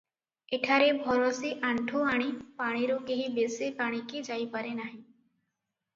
ଏଠାରେ ଭରସି ଆଣ୍ଠୁ ଆଣି ପାଣିରୁ କେହି ବେଶି ପାଣିକି ଯାଇପାରେ ନାହିଁ ।